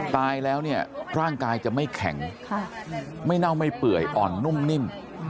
ตายแล้วเนี่ยร่างกายจะไม่แข็งไม่เน่าไม่เปื่อยอ่อนนุ่มนิ่ม